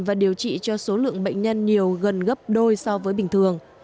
và điều trị cho số lượng bệnh nhân nhiều gần gấp đôi so với bình thường